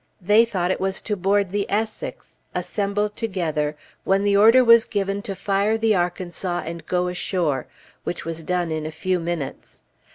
They thought it was to board the Essex, assembled together, when the order was given to fire the Arkansas and go ashore, which was done in a few minutes.